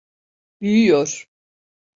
Büyüyor.